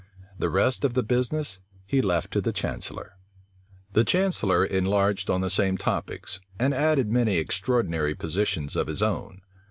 The rest of the business he left to the chancellor. The chancellor enlarged on the same topics, and added many extraordinary positions of his own.